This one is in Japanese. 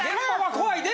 怖いで。